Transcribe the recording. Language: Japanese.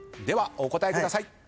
ではお答えください。